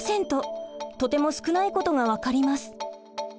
とても少ないことが分かります。